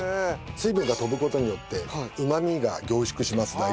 水分が飛ぶ事によってうまみが凝縮します